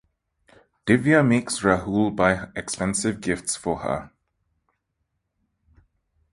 Divya makes Rahul buy expensive gifts for her.